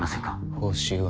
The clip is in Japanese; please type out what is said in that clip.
報酬は？